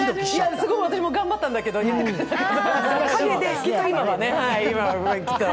すごい私も頑張ったんだけど、言ってくれないから。